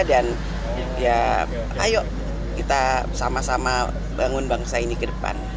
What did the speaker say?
dan ya ayo kita bersama sama bangun bangsa ini ke depan